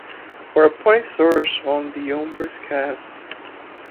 For a point source only the umbra is cast.